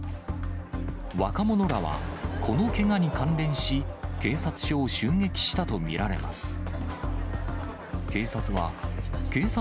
若者らはこのけがに関連し、警察署を襲撃したと見られます。